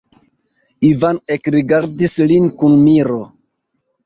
Ivano ekrigardis lin kun miro.